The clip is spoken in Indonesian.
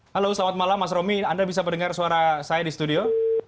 halo selamat malam mas romi anda bisa mendengar suara saya di studio